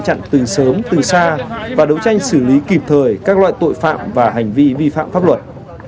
chặn từ sớm từ xa và đấu tranh xử lý kịp thời các loại tội phạm và hành vi vi phạm pháp luật